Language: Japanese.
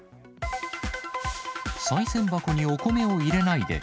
さい銭箱にお米を入れないで。